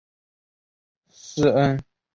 师恩祥十岁时便进入北京栅栏修道院修行。